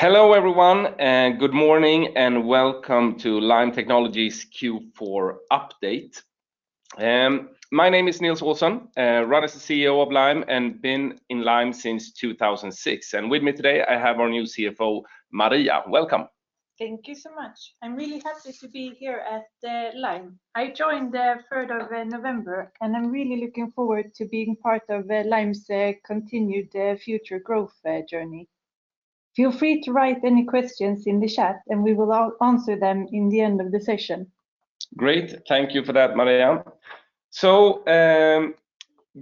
Hello everyone and good morning and welcome to Lime Technologies Q4 update. My name is Nils Olsson, run as the CEO of Lime and been in Lime since 2006. With me today I have our new CFO, Maria. Welcome. Thank you so much. I'm really happy to be here at Lime. I joined the third of November. I'm really looking forward to being part of Lime's continued future growth journey. Feel free to write any questions in the chat. We will answer them in the end of the session. Great. Thank you for that, Maria.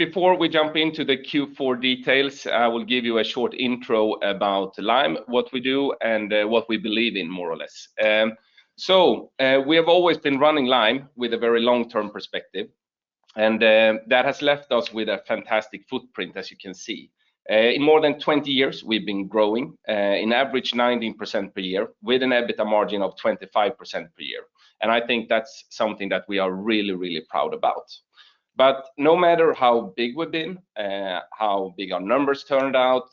Before we jump into the Q4 details, I will give you a short intro about Lime, what we do, and what we believe in more or less. We have always been running Lime with a very long-term perspective, and that has left us with a fantastic footprint as you can see. In more than 20 years, we've been growing, in average 19% per year with an EBITDA margin of 25% per year. I think that's something that we are really proud about. No matter how big we've been, how big our numbers turned out,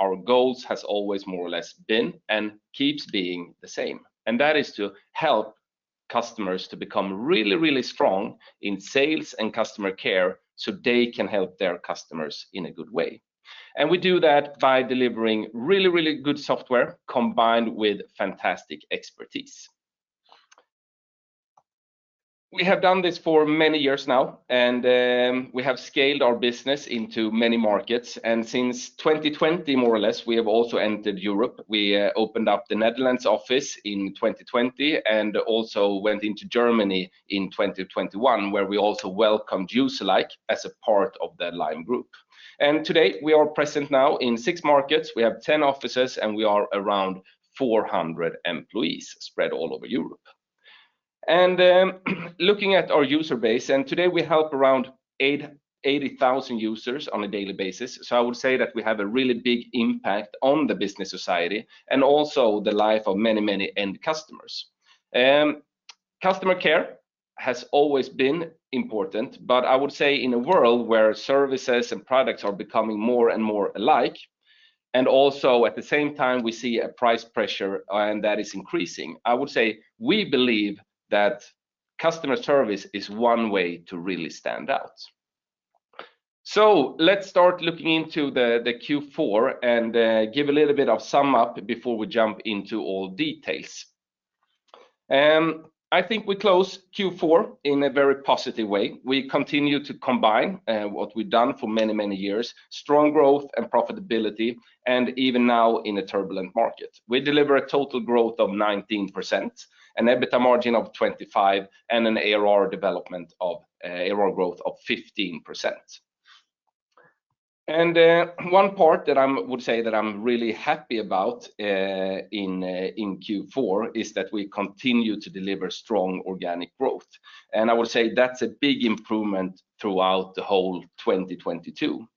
our goals has always more or less been and keeps being the same. That is to help customers to become really, really strong in sales and customer care, so they can help their customers in a good way. We do that by delivering really, really good software combined with fantastic expertise. We have done this for many years now, we have scaled our business into many markets. Since 2020 more or less, we have also entered Europe. We opened up the Netherlands office in 2020 and also went into Germany in 2021, where we also welcomed Userlike as a part of the Lime Group. Today, we are present now in six markets. We have 10 offices, and we are around 400 employees spread all over Europe. Looking at our user base, today we help around 80,000 users on a daily basis. I would say that we have a really big impact on the business society and also the life of many, many end customers. Customer care has always been important, but I would say in a world where services and products are becoming more and more alike, and also at the same time, we see a price pressure and that is increasing. I would say we believe that customer service is one way to really stand out. Let's start looking into the Q4 and give a little bit of sum up before we jump into all details. I think I closed Q4 in a very positive way. We continue to combine what we've done for many, many years, strong growth and profitability, and even now in a turbulent market. We deliver a total growth of 19%, an EBITDA margin of 25%, and an ARR development of ARR growth of 15%. One part that I would say that I'm really happy about in in Q4 is that we continue to deliver strong organic growth. I would say that's a big improvement throughout the whole 2022.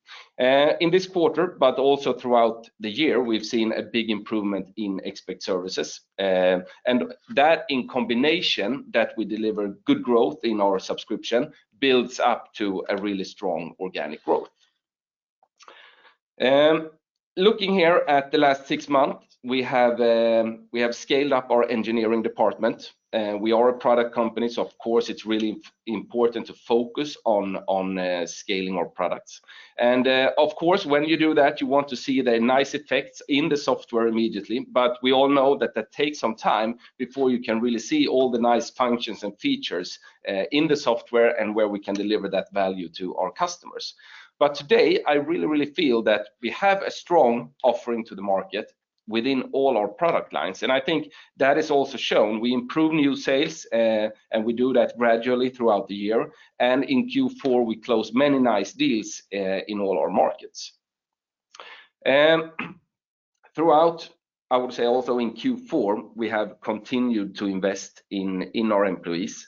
In this quarter, but also throughout the year, we've seen a big improvement in expert services. That in combination that we deliver good growth in our subscription builds up to a really strong organic growth. Looking here at the last six months, we have scaled up our engineering department. We are a product company, so of course it's really important to focus on scaling our products. Of course, when you do that, you want to see the nice effects in the software immediately. We all know that that takes some time before you can really see all the nice functions and features in the software and where we can deliver that value to our customers. Today, I really, really feel that we have a strong offering to the market within all our product lines. I think that is also shown we improve new sales, and we do that gradually throughout the year. In Q4, we close many nice deals in all our markets. Throughout, I would say also in Q4, we have continued to invest in our employees.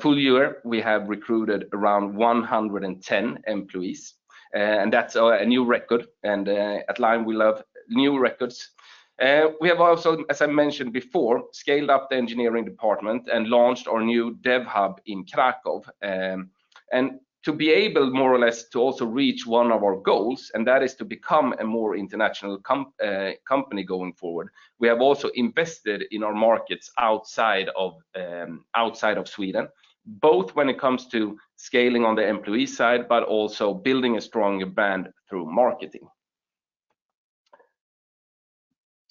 Full year, we have recruited around 110 employees, and that's a new record. At Lime, we love new records. We have also, as I mentioned before, scaled up the engineering department and launched our new dev hub in Kraków. To be able more or less to also reach one of our goals, and that is to become a more international company going forward, we have also invested in our markets outside of Sweden, both when it comes to scaling on the employee side, but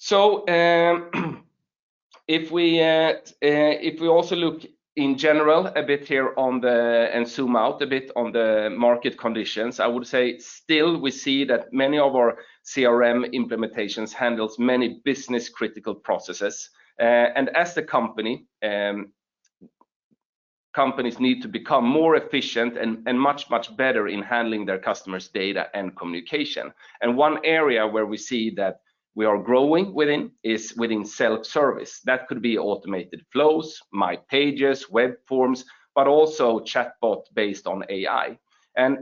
also building a stronger brand through marketing. If we also look in general a bit here on the, and zoom out a bit on the market conditions, I would say still we see that many of our CRM implementations handles many business-critical processes. As companies need to become more efficient and much, much better in handling their customers' data and communication. One area where we see that we are growing within is within self-service. That could be automated flows, my pages, web forms, but also chatbot based on AI.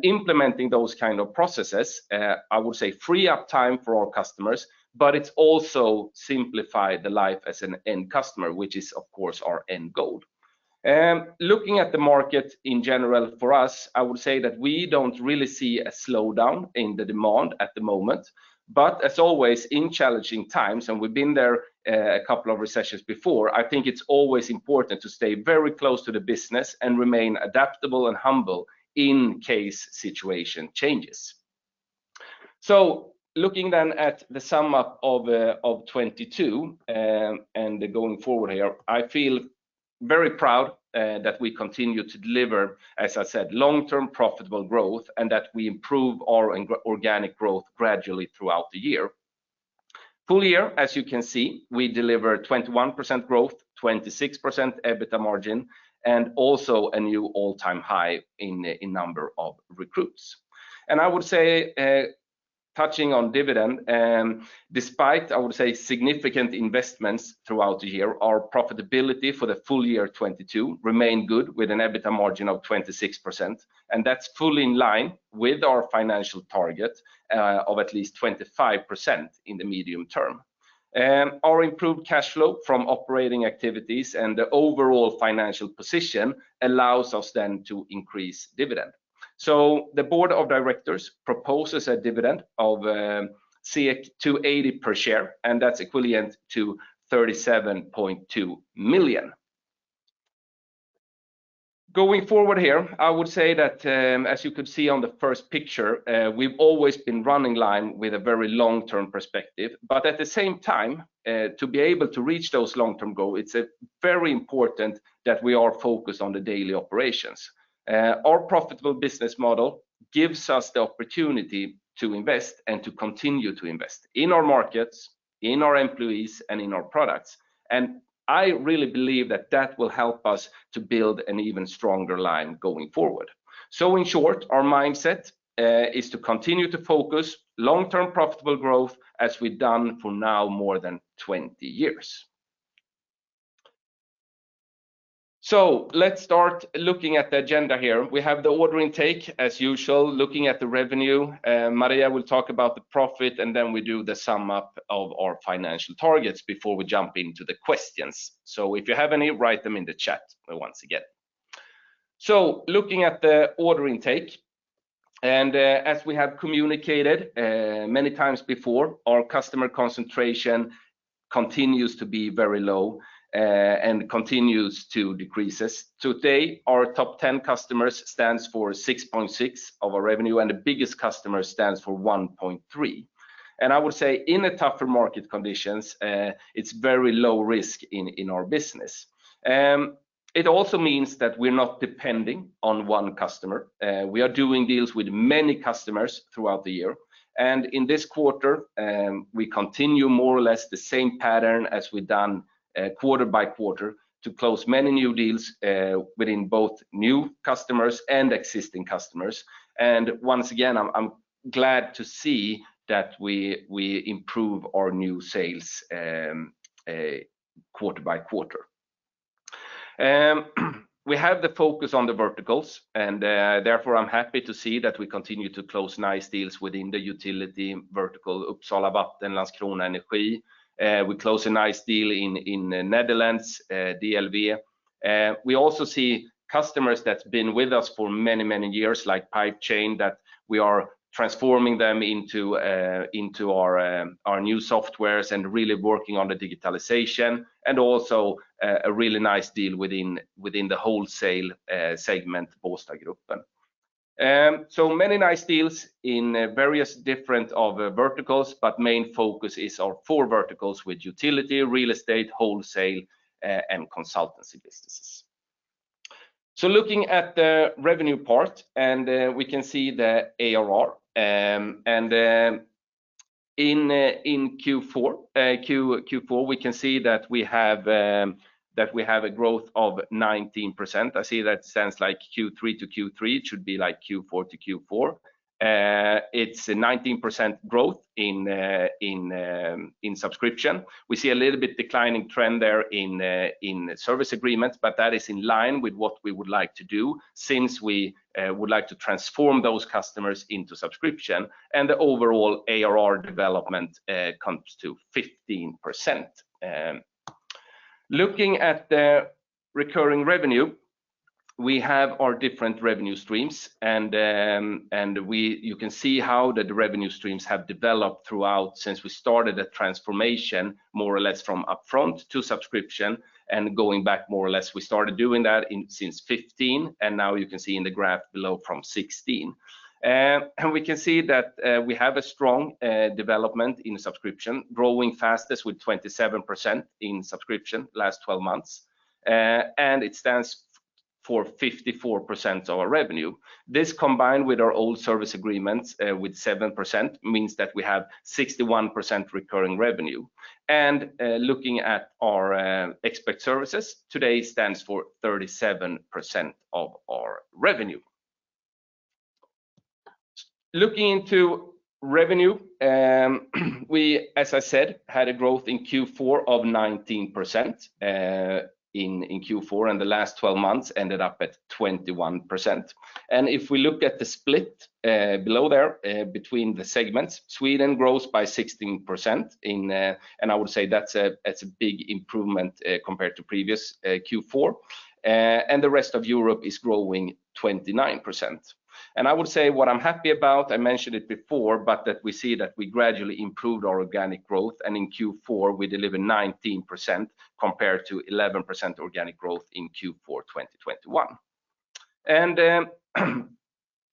Implementing those kind of processes, I would say free up time for our customers, but it's also simplified the life as an end customer, which is of course our end goal. Looking at the market in general for us, I would say that we don't really see a slowdown in the demand at the moment. As always, in challenging times, and we've been there a couple of recessions before, I think it's always important to stay very close to the business and remain adaptable and humble in case situation changes. Looking then at the sum up of 2022, and going forward here, I feel very proud that we continue to deliver, as I said, long-term profitable growth and that we improve our organic growth gradually throughout the year. Full year, as you can see, we deliver 21% growth, 26% EBITDA margin, and also a new all-time high in number of recruits. I would say, touching on dividend, and despite, I would say, significant investments throughout the year, our profitability for the full year 2022 remained good with an EBITDA margin of 26%, and that's fully in line with our financial target of at least 25% in the medium term. Our improved cash flow from operating activities and the overall financial position allows us then to increase dividend. The board of directors proposes a dividend of 2.80 per share, that's equivalent to 37.2 million. Going forward here, I would say that as you could see on the first picture, we've always been running Lime with a very long-term perspective. At the same time, to be able to reach those long-term goal, it's very important that we are focused on the daily operations. Our profitable business model gives us the opportunity to invest and to continue to invest in our markets, in our employees, and in our products. I really believe that that will help us to build an even stronger Lime going forward. In short, our mindset is to continue to focus long-term profitable growth as we've done for now more than 20 years. Let's start looking at the agenda here. We have the order intake as usual, looking at the revenue. Maria will talk about the profit, and then we do the sum up of our financial targets before we jump into the questions. If you have any, write them in the chat once again. Looking at the order intake, and as we have communicated many times before, our customer concentration continues to be very low, and continues to decreases. Today, our top 10 customers stands for 6.6% of our revenue, and the biggest customer stands for 1.3%. I would say in the tougher market conditions, it's very low risk in our business. It also means that we're not depending on one customer. We are doing deals with many customers throughout the year. In this quarter, we continue more or less the same pattern as we've done quarter by quarter to close many new deals within both new customers and existing customers. Once again, I'm glad to see that we improve our new sales quarter by quarter. We have the focus on the verticals, therefore, I'm happy to see that we continue to close nice deals within the utility vertical Uppsala Vatten och Avfall, Landskrona Energi. We close a nice deal in Netherlands, DLV. We also see customers that's been with us for many years, like PipeChain, that we are transforming them into our new softwares and really working on the digitalization, and also a really nice deal within the wholesale segment, Båstadgruppen. Many nice deals in various different of verticals, but main focus is our four verticals with utility, real estate, wholesale, and consultancy businesses. Looking at the revenue part, we can see the ARR. In Q4, we can see that we have a growth of 19%. I see that sounds like Q3 to Q3. It should be like Q4 to Q4. It's a 19% growth in subscription. We see a little bit declining trend there in service agreements, but that is in line with what we would like to do since we would like to transform those customers into subscription, the overall ARR development comes to 15%. Looking at the recurring revenue, we have our different revenue streams. You can see how the revenue streams have developed throughout since we started a transformation more or less from upfront to subscription and going back more or less. We started doing that since 2015, and now you can see in the graph below from 2016. We can see that we have a strong development in subscription, growing fastest with 27% in subscription last 12 months. It stands for 54% of our revenue. This combined with our old service agreements, with 7% means that we have 61% recurring revenue. Looking at our expert services today stands for 37% of our revenue. Looking into revenue. We, as I said, had a growth in Q4 of 19% in Q4, and the last 12 months ended up at 21%. If we look at the split below there, between the segments, Sweden grows by 16% in, I would say that's a big improvement compared to previous Q4. The rest of Europe is growing 29%. I would say what I'm happy about, I mentioned it before, but that we see that we gradually improved our organic growth. In Q4 we delivered 19% compared to 11% organic growth in Q4 2021.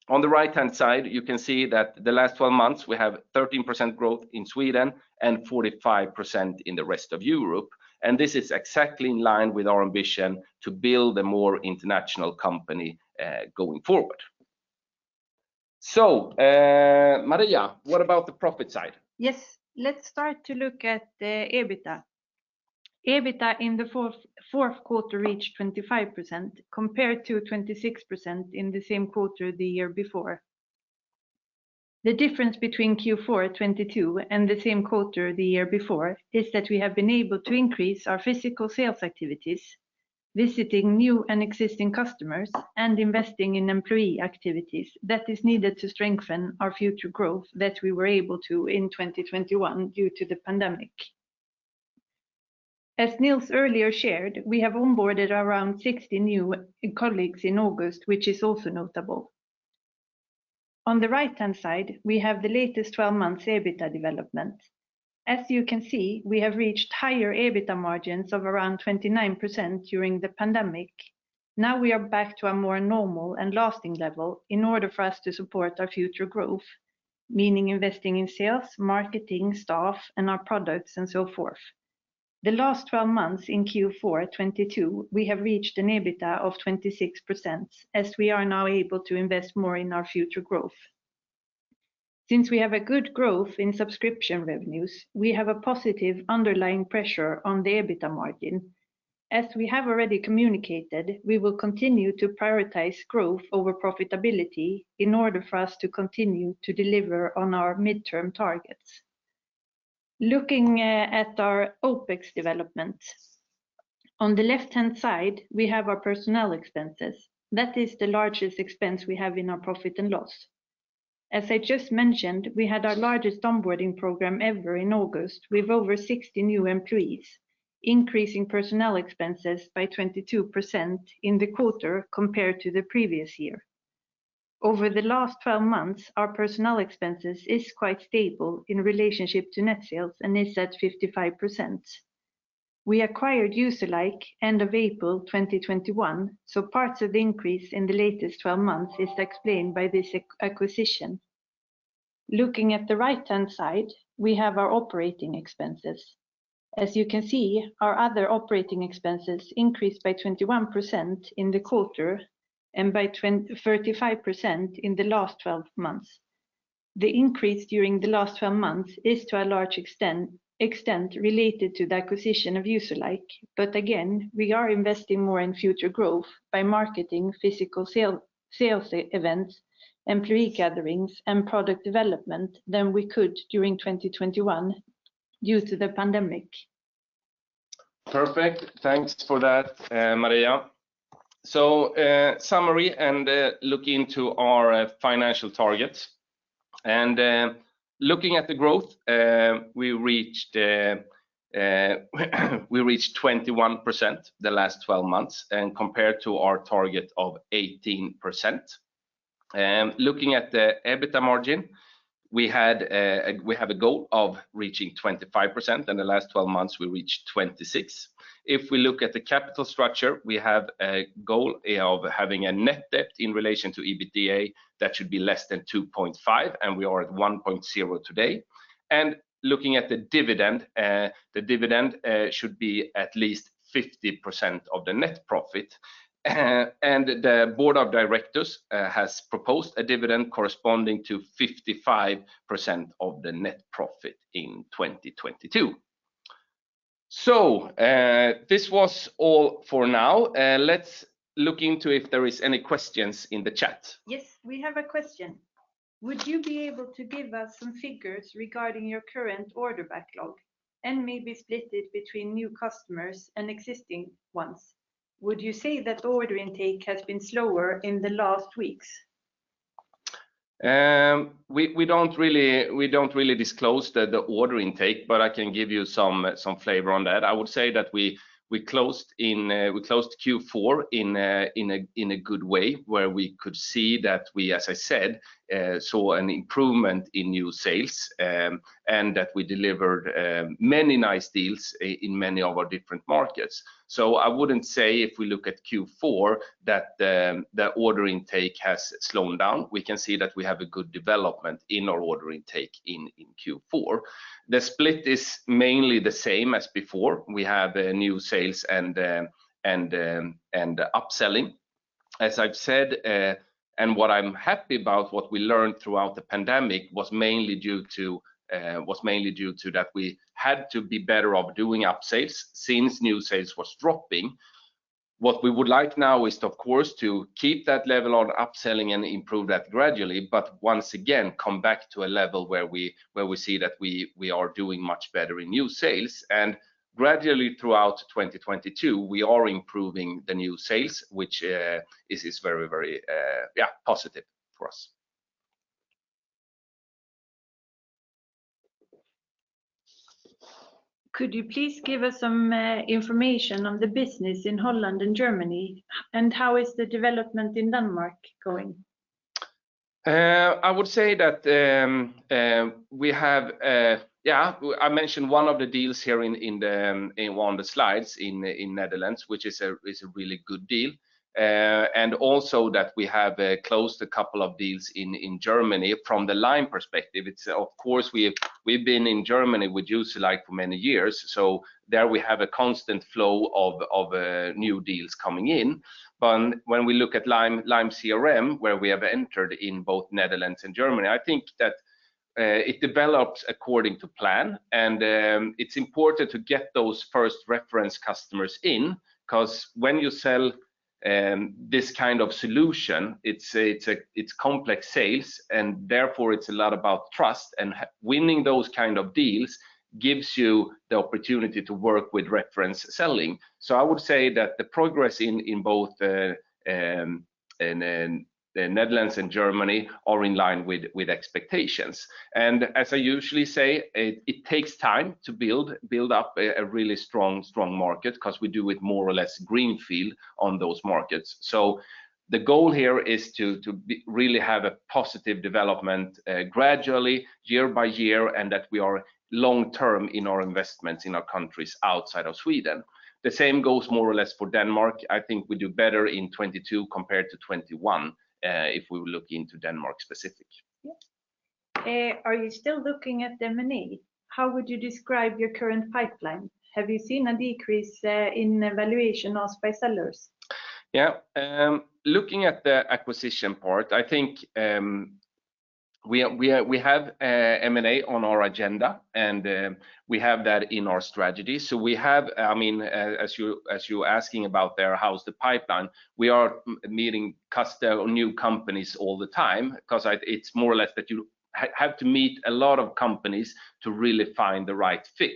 On the right-hand side, you can see that the last 12 months we have 13% growth in Sweden and 45% in the rest of Europe. This is exactly in line with our ambition to build a more international company going forward. Maria, what about the profit side? Yes. Let's start to look at the EBITDA. EBITDA in the fourth quarter reached 25% compared to 26% in the same quarter the year before. The difference between Q4 2022 and the same quarter the year before is that we have been able to increase our physical sales activities, visiting new and existing customers and investing in employee activities that is needed to strengthen our future growth that we were able to in 2021 due to the pandemic. As Nils earlier shared, we have onboarded around 60 new colleagues in August, which is also notable. On the right-hand side, we have the latest 12 months EBITDA development. As you can see, we have reached higher EBITDA margins of around 29% during the pandemic. Now we are back to a more normal and lasting level in order for us to support our future growth, meaning investing in sales, marketing, staff and our products and so forth. The last 12 months in Q4 2022, we have reached an EBITDA of 26%, as we are now able to invest more in our future growth. Since we have a good growth in subscription revenues, we have a positive underlying pressure on the EBITDA margin. As we have already communicated, we will continue to prioritize growth over profitability in order for us to continue to deliver on our midterm targets. Looking at our OpEx development, on the left-hand side, we have our personnel expenses. That is the largest expense we have in our profit and loss. As I just mentioned, we had our largest onboarding program ever in August with over 60 new employees, increasing personnel expenses by 22% in the quarter compared to the previous year. Over the last 12 months, our personnel expenses is quite stable in relationship to net sales and is at 55%. We acquired Userlike end of April 2021, parts of the increase in the latest 12 months is explained by this acquisition. Looking at the right-hand side, we have our operating expenses. As you can see, our other operating expenses increased by 21% in the quarter and by 35% in the last 12 months. The increase during the last 12 months is to a large extent related to the acquisition of Userlike. Again, we are investing more in future growth by marketing, physical sale, sales events, employee gatherings and product development than we could during 2021 due to the pandemic. Perfect. Thanks for that, Maria. summary and look into our financial targets. looking at the growth, we reached 21% the last 12 months and compared to our target of 18%. looking at the EBITDA margin we had, we have a goal of reaching 25%. In the last 12 months, we reached 26%. If we look at the capital structure, we have a goal of having a net debt in relation to EBITDA that should be less than 2.5, and we are at 1.0 today. looking at the dividend, the dividend should be at least 50% of the net profit. The board of directors has proposed a dividend corresponding to 55% of the net profit in 2022. This was all for now. Let's look into if there is any questions in the chat. Yes, we have a question. Would you be able to give us some figures regarding your current order backlog and maybe split it between new customers and existing ones? Would you say that order intake has been slower in the last weeks? We don't really disclose the order intake, but I can give you some flavor on that. I would say that we closed Q4 in a good way, where we could see that we, as I said, saw an improvement in new sales, and that we delivered many nice deals in many of our different markets. I wouldn't say if we look at Q4 that the order intake has slowed down. We can see that we have a good development in our order intake in Q4. The split is mainly the same as before. We have new sales and upselling. As I've said, and what I'm happy about, what we learned throughout the pandemic was mainly due to that we had to be better off doing upsales since new sales was dropping. What we would like now is, of course, to keep that level on upselling and improve that gradually, but once again, come back to a level where we see that we are doing much better in new sales. Gradually throughout 2022, we are improving the new sales, which is very positive for us. Could you please give us some information on the business in Holland and Germany, and how is the development in Denmark going? I would say that we have, yeah, I mentioned one of the deals here in one of the slides in Netherlands, which is a really good deal. Also that we have closed a couple of deals in Germany from the Lime perspective. It's of course we've been in Germany with Userlike for many years, so there we have a constant flow of new deals coming in. When we look at Lime CRM, where we have entered in both Netherlands and Germany, I think that it develops according to plan. It's important to get those first reference customers in, 'cause when you sell this kind of solution, it's a complex sales and therefore it's a lot about trust. Winning those kind of deals gives you the opportunity to work with reference selling. I would say that the progress in both in the Netherlands and Germany are in line with expectations. As I usually say, it takes time to build up a really strong market 'cause we do it more or less greenfield on those markets. The goal here is to really have a positive development gradually year by year, and that we are long-term in our investments in our countries outside of Sweden. The same goes more or less for Denmark. I think we do better in 2022 compared to 2021 if we look into Denmark specific. Yeah. Are you still looking at M&A? How would you describe your current pipeline? Have you seen a decrease in valuation asked by sellers? Yeah. Looking at the acquisition part, I think, we have M&A on our agenda and we have that in our strategy. We have, I mean, as you're asking about there, how's the pipeline, we are meeting new companies all the time cause it's more or less that you have to meet a lot of companies to really find the right fit.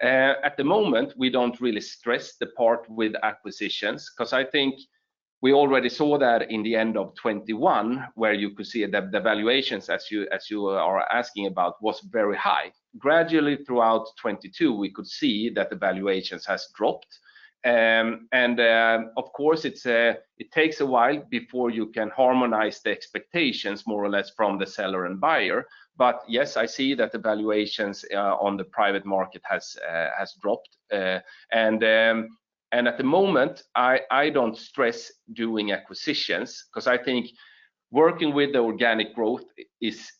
At the moment, we don't really stress the part with acquisitions cause I think we already saw that in the end of 2021 where you could see the valuations, as you are asking about, was very high. Gradually throughout 2022, we could see that the valuations has dropped. Of course it's, it takes a while before you can harmonize the expectations more or less from the seller and buyer. Yes, I see that the valuations on the private market has dropped. At the moment, I don't stress doing acquisitions 'cause I think working with the organic growth is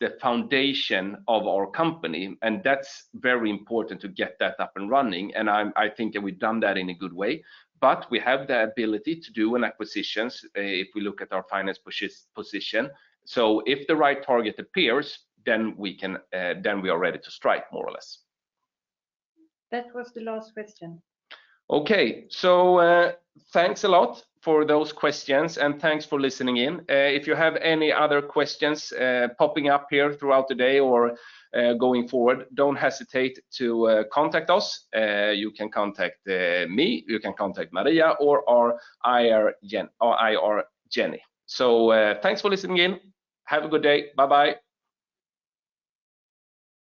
the foundation of our company, and that's very important to get that up and running, and I think that we've done that in a good way. We have the ability to do an acquisitions if we look at our finance position. If the right target appears, then we can, we are ready to strike more or less. That was the last question. Okay. Thanks a lot for those questions, and thanks for listening in. If you have any other questions popping up here throughout the day or going forward, don't hesitate to contact us. You can contact me, you can contact Maria, or our I.R. Jenny. Thanks for listening in. Have a good day. Bye-bye.